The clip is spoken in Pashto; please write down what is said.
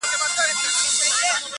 په دغه صورت مو وساتی وطن خپل.!